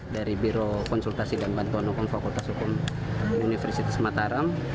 dari birohukum bantuan advokasi universitas mataram